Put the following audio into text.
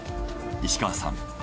石川さん